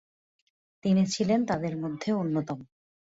তিনি ছিলেন তাদের মধ্যে অন্যতম।